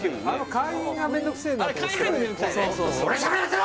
会員が面倒くせえんだよ